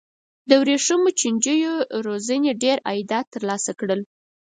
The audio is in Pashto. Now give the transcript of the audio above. د ورېښمو چینجیو روزنې ډېر عایدات ترلاسه کړل.